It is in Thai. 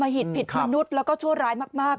หิตผิดมนุษย์แล้วก็ชั่วร้ายมาก